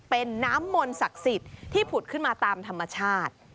เป็นน้ำมนต์ศักดิ์สิทธิ์ที่ผุดขึ้นมาตามธรรมชาติ